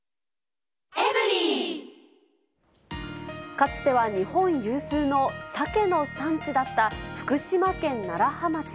かつては日本有数のサケの産地だった、福島県楢葉町。